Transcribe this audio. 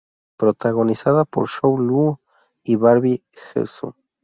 Protagonizada por Show Luo y Barbie Hsu.